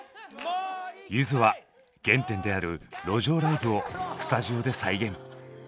ゆずは原点である路上ライブをスタジオで再現！